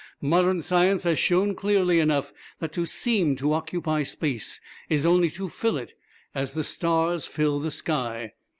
"Modern science has shown clearly enough that to seem to occupy space is only to fill it as the stars fill the sky.